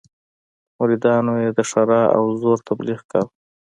مریدانو یې د ښرا او زور تبليغ کاوه.